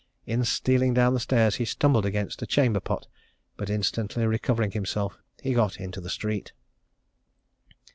In stealing down the stairs he stumbled against a chamber door, but instantly recovering himself, he got into the street.